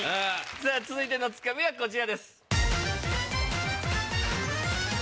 さぁ続いてのツカミはこちらです。